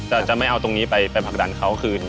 แต่จะไม่เอาตรงนี้ไปผลักดันเขาคืน